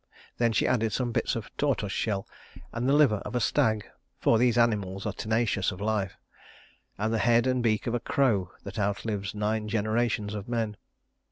Then she added some bits of tortoise shell and the liver of a stag for these animals are tenacious of life and the head and beak of a crow that outlives nine generations of men.